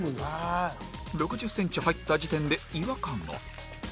６０センチ入った時点で違和感が